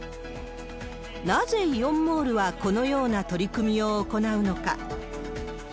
なぜイオンモールはこのような取り組みを行うのか。